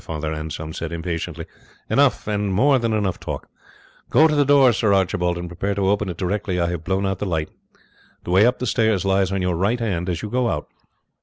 Father Anselm said impatiently; "enough, and more than enough talk. Go to the door, Sir Archibald, and prepare to open it directly I have blown out the light. The way up the stairs lies on your right hand as you go out."